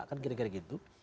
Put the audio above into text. kan kira kira begitu